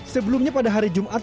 sebelumnya pada hari jumat